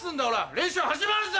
練習始まるぞ！